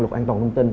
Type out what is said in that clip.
luật an toàn thông tin